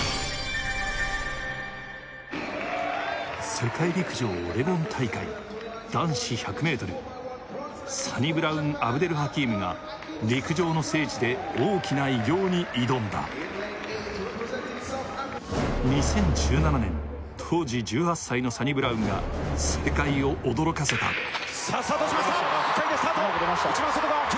世界陸上オレゴン大会男子１００ｍサニブラウン・アブデル・ハキームが陸上の聖地で大きな偉業に挑んだ２０１７年当時１８歳のサニブラウンが世界を驚かせたさあスタートしました１回でスタート一番外側９